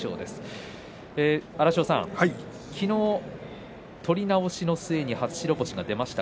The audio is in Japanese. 荒汐さん、昨日、取り直しの末に初白星が出ました。